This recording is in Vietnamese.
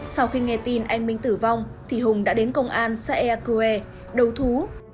sau khi nghe tin anh minh tử vong thì hùng đã đến công an xã eakue đầu thú